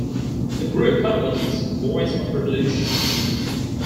The group publishes "Voice of Revolution".